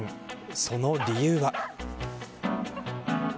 その理由は。